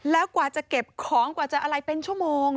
แล้วกว่าจะเก็บของกว่าจะอะไรเป็นชั่วโมง